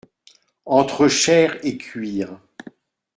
Entre chair et cuir.